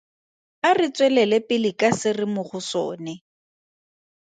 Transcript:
A re tswelele pele ka se re mo go sone.